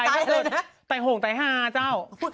ไต้อะไรนะไต้ห่งไต้หาเจ้า